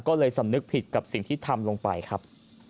ก็เลยสำนึกผิดกับสิ่งที่ทำลงไปครับ